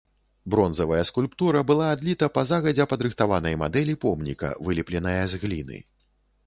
Бронзавая скульптура была адліта па загадзя падрыхтаванай мадэлі помніка, вылепленая з гліны.